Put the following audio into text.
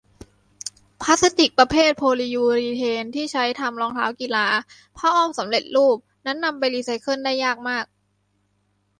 พลาสติกประเภทโพลิยูรีเทนที่ใช้ทำรองเท้ากีฬา ผ้าอ้อมสำเร็จรูป นั้นนำไปรีไซเคิลได้ยากมาก